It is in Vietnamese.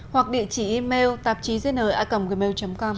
hoặc địa chỉ email tạp chí dưới nơi a gmail com